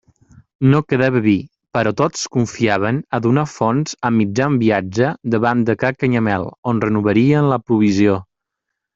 No quedava vi, però tots confiaven a donar fons a mitjan viatge davant de ca Canyamel, on renovarien la provisió.